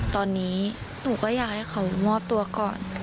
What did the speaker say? ตอนนี้หนูก็อยากให้เขามอบตัวก่อน